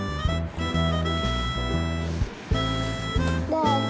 どうぞ。